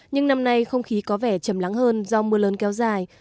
nhưng năm nay không khí có vẻ chầm lắng hơn do mưa lớn kéo dài